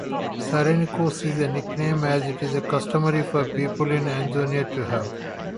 Psaronikos is a nickname as it is customary for people in Anogeia to have.